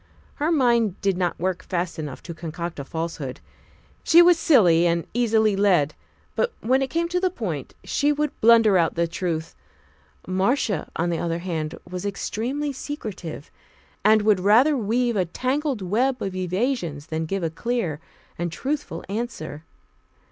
Her mind did not work fast enough to concoct a falsehood; she was silly and easily led, but when it came to the point, she would blunder out the truth. Marcia, on the other hand, was extremely secretive, and would rather weave a tangled web of evasions than give a clear and truthful answer.